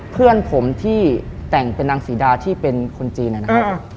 เพื่อนผมที่แต่งเป็นนางศรีดาที่เป็นคนจีนนะครับ